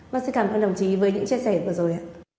mình xin cảm ơn đồng chí với những chia sẻ vừa rồi